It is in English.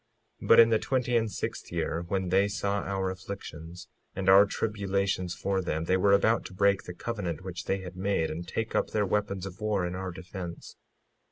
56:7 But in the twenty and sixth year, when they saw our afflictions and our tribulations for them, they were about to break the covenant which they had made and take up their weapons of war in our defence.